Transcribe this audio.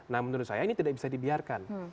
nah menurut saya ini tidak bisa dibiarkan